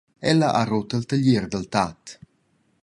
Ella ha rut il taglier dil tat.